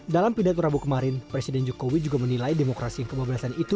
dalam pidat rabu kemarin presiden jokowi juga menilai demokrasi yang kebablasan itu